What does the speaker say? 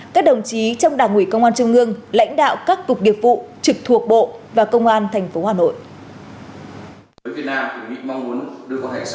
các đồng chí trong đảng ủy công an trung ương lãnh đạo các cục nghiệp vụ trực thuộc bộ và công an tp hà nội